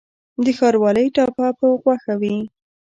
د ښاروالۍ ټاپه په غوښه وي؟